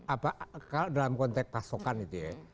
apakah dalam konteks pasokan gitu ya